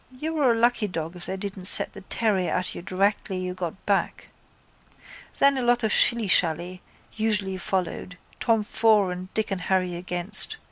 You were a lucky dog if they didn't set the terrier at you directly you got back. Then a lot of shillyshally usually followed, Tom for and Dick and Harry against.